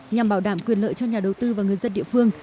nhằm bảo đảm quyền lợi cho nhà đầu tư và người dân địa phương